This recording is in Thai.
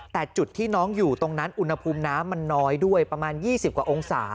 แต่จุดที่น้องอยู่ตรงนั้นอุณหภูมิน้ำมันน้อยด้วยประมาณ๒๐กว่าองศา